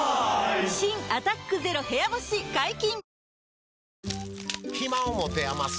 新「アタックＺＥＲＯ部屋干し」解禁‼